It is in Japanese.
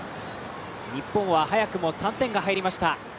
日本は早くも３点が入りました。